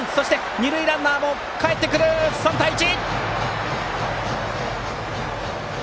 二塁ランナーもかえって３対１！